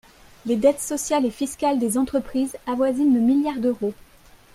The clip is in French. Les dettes sociales et fiscales des entreprises avoisinent le milliard d’euros.